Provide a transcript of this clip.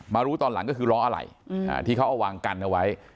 มารู้ตอนหลังก็คือร้องอะไหล่อืมอ่าที่เขาเอาวางกันเอาไว้